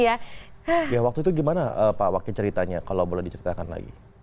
ya waktu itu gimana pak waki ceritanya kalau boleh diceritakan lagi